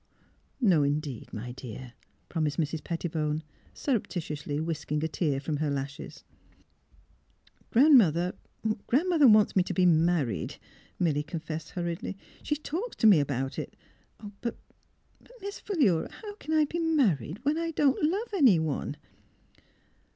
"'' No, indeed, my dear," promised Mrs. Petti bone, surreptitiously whisking a tear from her lashes. *' Gran 'mother wants me to — to be married," Milly confessed hurriedly. ^' She — talks to me about it. But — but. Miss Philura, how can I be married, when — I don't love anyone?